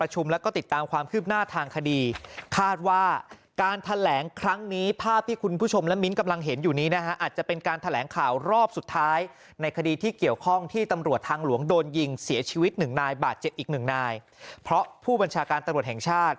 หนึ่งนายบาดเจ็บอีกหนึ่งนายเพราะผู้บัญชาการตรวจแห่งชาติ